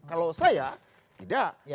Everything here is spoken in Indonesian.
kalau saya tidak